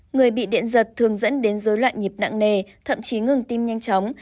người bị điện giật thường dẫn đến dối loạn nhịp nặng nề thậm chí ngừng tim nhanh chóng